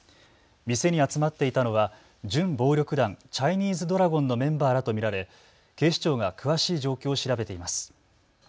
店に集まっていたのは準暴力団、チャイニーズドラゴンのメンバーらと見られ警視庁が詳しい状況を調べています。